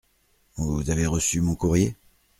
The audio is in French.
Vous avez reçu mon courrier ?